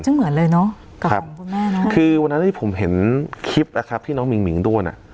เหมือนเลยเนอะกับของคุณแม่นะคือวันนั้นที่ผมเห็นคลิปนะครับที่น้องมิ่งหิงโดนอ่ะ